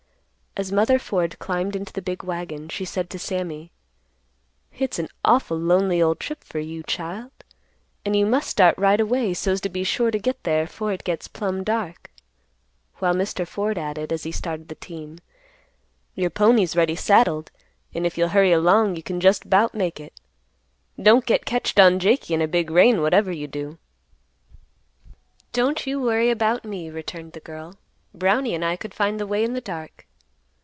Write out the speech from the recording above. As mother Ford climbed into the big wagon, she said to Sammy, "Hit's an awful lonely ol' trip fer you, child; an' you must start right away, so's t' be sure t' get there 'fore hit gets plumb dark," while Mr. Ford added, as he started the team, "Your pony's ready saddled, an' if you'll hurry along, you can jest 'bout make hit. Don't get catched on Jakey in a big rain whatever you do." "Don't you worry about me," returned the girl, "Brownie and I could find the way in the dark."